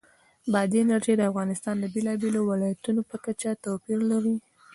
بادي انرژي د افغانستان د بېلابېلو ولایاتو په کچه توپیر لري.